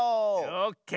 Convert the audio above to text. オッケー。